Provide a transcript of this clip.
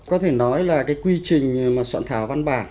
có thể nói là cái quy trình mà soạn thảo văn bản